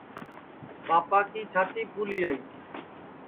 ٻاپا کی چھاتی پُھلیائی